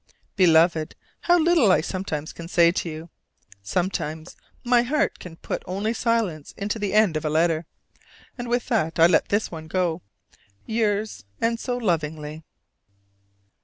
Beloved, how little I sometimes can say to you! Sometimes my heart can put only silence into the end of a letter; and with that I let this one go. Yours, and so lovingly.